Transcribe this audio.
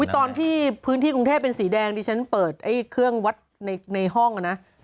ตอนที่พื้นที่กรุงเทพเป็นสีแดงดิฉันเปิดเครื่องวัดในห้องนะ